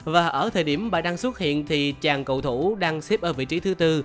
và ở thời điểm bài đăng xuất hiện thì chàng cầu thủ đang xếp ở vị trí thứ bốn